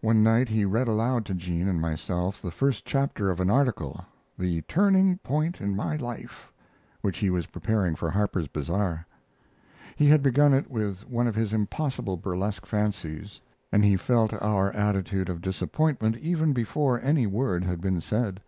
One night he read aloud to Jean and myself the first chapter of an article, "The Turning Point in My Life," which he was preparing for Harper's Bazar. He had begun it with one of his impossible burlesque fancies, and he felt our attitude of disappointment even before any word had been said.